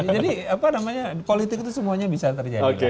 jadi apa namanya politik itu semuanya bisa terjadi